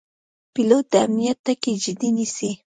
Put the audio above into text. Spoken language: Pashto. پیلوټ د امنیت ټکي جدي نیسي.